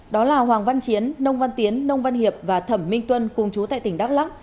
đó là hoàng văn chiến nông văn tiến nông văn hiệp và thẩm minh tuân cùng chú tại tỉnh đắk lắc